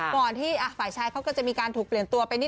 ก่อนที่ฝ่ายชายเขาก็จะมีการถูกเปลี่ยนตัวไปนิด